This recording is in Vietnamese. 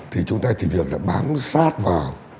thì chúng ta chỉ việc là bám sát vào